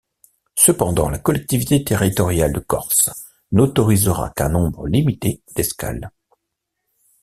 Cependant, la collectivité territoriale de Corse n'autorisera qu'un nombre limité d'escales.